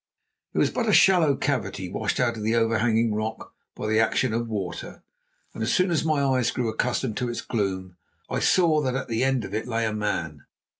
It was but a shallow cavity washed out of the overhanging rock by the action of water; and as soon as my eyes grew accustomed to its gloom, I saw that at the end of it lay a man.